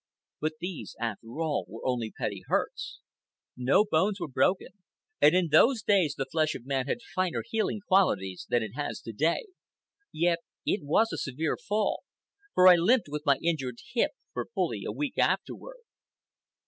But these, after all, were only petty hurts. No bones were broken, and in those days the flesh of man had finer healing qualities than it has to day. Yet it was a severe fall, for I limped with my injured hip for fully a week afterward.